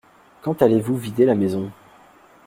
Quand allez-vous vider la maison ?